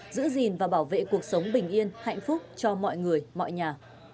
giữ gìn và bảo vệ cuộc sống bình yên hạnh phúc cho mọi người mọi nhà